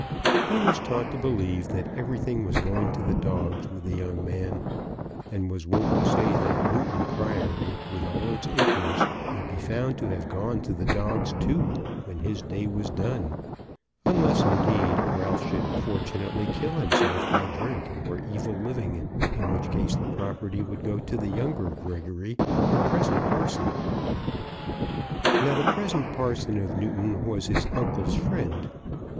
He was taught to believe that everything was going to the dogs with the young man, and was wont to say that Newton Priory, with all its acres, would be found to have gone to the dogs too when his day was done; unless, indeed, Ralph should fortunately kill himself by drink or evil living, in which case the property would go to the younger Gregory, the present parson. Now the present parson of Newton was his uncle's friend.